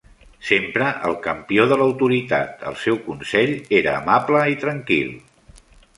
Sempre el campió de l'autoritat, el seu consell era amable i tranquil.